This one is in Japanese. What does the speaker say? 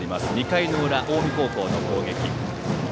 ２回の裏、近江高校の攻撃。